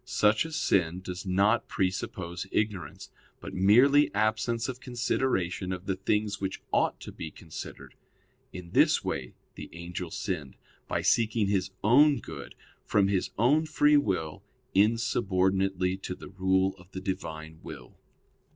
Such a sin does not presuppose ignorance, but merely absence of consideration of the things which ought to be considered. In this way the angel sinned, by seeking his own good, from his own free will, insubordinately to the rule of the Divine will.